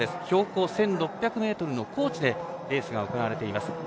標高１６００ｍの高地でレースが行われています。